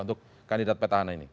untuk kandidat petahana ini